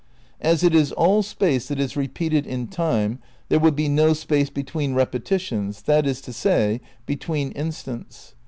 As it is all Space that is repeated in Time, there will be no space between repetitions, that is to say, between instants.